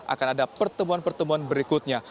akan ada pertemuan pertemuan berikutnya